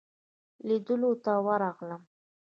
لیدلو ته ورغلم.